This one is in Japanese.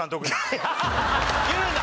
言うな！